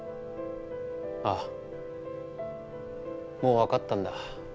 ああもう分かったんだ。